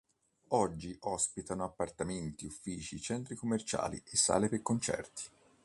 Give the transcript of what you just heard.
Oggi ospitano appartamenti, uffici, centri commerciali e sale per concerti.